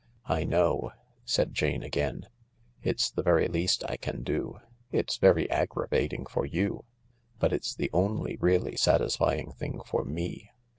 " I know," said Jane again. " It's the very least I can do. It's very aggravating for you, but it's the only really satisfying thing for me.